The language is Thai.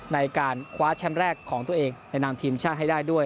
ในการคว้าแชมป์แรกของตัวเองในนามทีมชาติให้ได้ด้วย